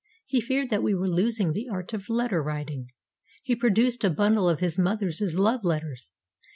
He feared that we were losing the art of letter writing. He produced a bundle of his mother's love letters.